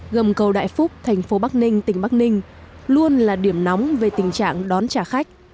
gầm cầu đại phúc thành phố bắc ninh tỉnh bắc ninh luôn là điểm nóng về tình trạng đón trả khách